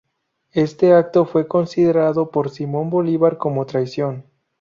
Este acto fue considerado por Simón Bolívar como traición.